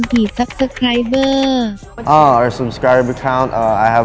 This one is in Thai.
ผมมีอยู่๕โลกติดตามตอนนี้